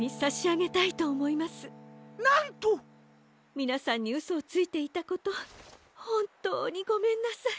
みなさんにうそをついていたことほんとうにごめんなさい。